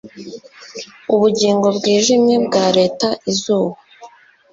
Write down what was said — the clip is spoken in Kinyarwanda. Ubugingo Bwijimye bwa Leta izuba